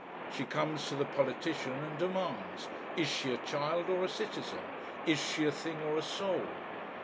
She comes to the politician and demands, Is she a child or a citizen? Is she a thing or a soul?